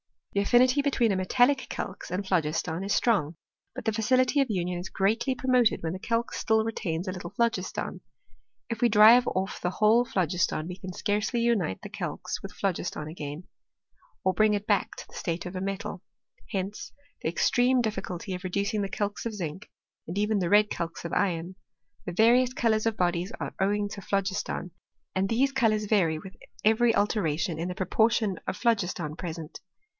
The affinity between a metallic calx and phlogiston is strong ; but the facility of union is greatly promoted when the calx still retains a little phlogiston. If we drive off the whole phlogiston we can scarcely unite the calx with phlogiston again, or bring it back to the state of a metal : hence the extreme difficulty of re ducing the calx of zinc, and even the red calx of iron. The various colours of bodies are owing to phlogis ton, and these colours vary with every alteration in the proportion of phlogiston present.